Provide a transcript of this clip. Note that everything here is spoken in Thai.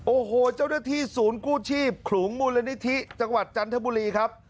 โอ้โหเจ้าหน้าที่ศูนย์กู้ชีพขลุงมูลนิธิจังหวัดจันทบุรีครับ